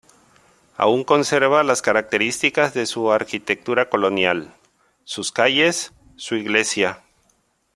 Aún conserva las características de su arquitectura colonial; sus calles, su iglesia.